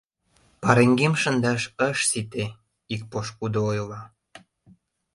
— Пареҥгем шындаш ыш сите, — ик пошкудо ойла.